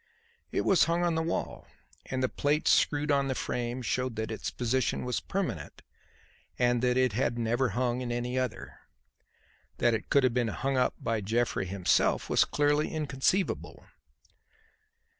It was hung on the wall, and the plates screwed on the frame showed that its position was permanent and that it had never hung in any other. That it could have been hung up by Jeffrey himself was clearly inconceivable.